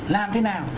làm thế nào